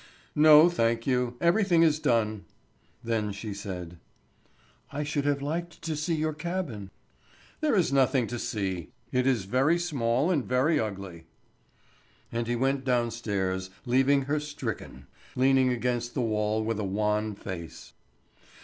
"No, thank you. Everything is done." Then she said: "I should have liked to see your cabin." "There is nothing to see. It is very small and very ugly." And he went downstairs, leaving her stricken, leaning against the wall with a wan face.